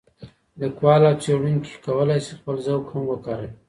لیکوال او څېړونکي کولی شي خپل ذوق هم وکاروي.